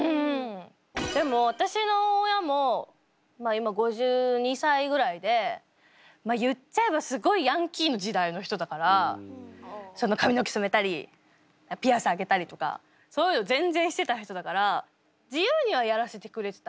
でも私の親も今５２歳ぐらいで言っちゃえばすごいヤンキーの時代の人だから髪の毛染めたりピアス開けたりとかそういうの全然してた人だから自由にはやらせてくれてた。